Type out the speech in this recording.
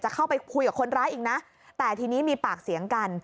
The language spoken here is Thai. เข้าไปคุยกับคนร้ายอีกนะแต่ทีนี้มีปากเสียงกัน